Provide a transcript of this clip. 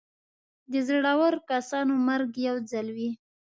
د زړور کسانو مرګ یو ځل وي.